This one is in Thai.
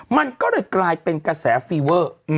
มันก็เลยกลายเป็นกระแสฟีเวอร์